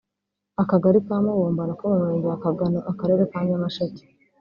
Akagari ka Mubumbano ko mu Murenge wa Kagano Akarere ka Nyamasheke